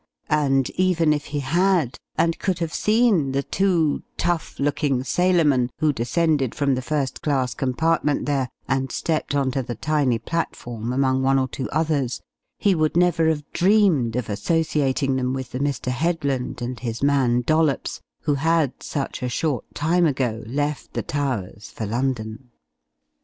And even if he had and could have seen the two tough looking sailormen who descended from the first class compartment there and stepped on to the tiny platform among one or two others, he would never have dreamed of associating them with the Mr. Headland and his man Dollops who had such a short time ago left the Towers for London.